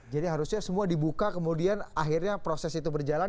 jadi harusnya semua dibuka kemudian akhirnya proses itu berjalan